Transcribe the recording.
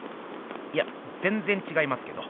いやぜんぜんちがいますけど。